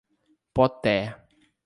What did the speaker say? Poté